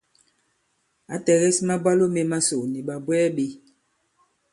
Ǎ tɛ̀gɛs mabwalo mē masò nì ɓàbwɛɛ ɓē.